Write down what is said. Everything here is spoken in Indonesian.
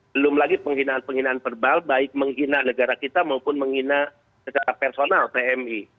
belum lagi penghinaan penghinaan verbal baik menghina negara kita maupun menghina secara personal pmi